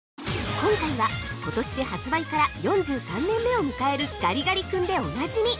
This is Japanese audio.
◆今回は、今年で発売から４３年目を迎えるガリガリ君でお馴染み！